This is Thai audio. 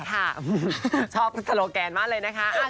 ชอบสโลแกนมากเลยนะคะ